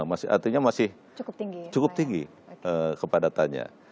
artinya masih cukup tinggi kepadatannya